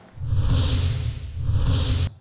dan untuk mengucapkan terima kasih